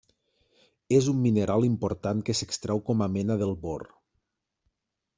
És un mineral important que s'extreu com a mena del bor.